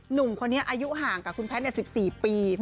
หนุ่มคนนี้อายุห่างกับคุณแพทย์๑๔ปี